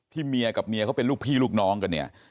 ที่เมียกับเมียเขาเป็นลูกพี่ลูกน้องกัน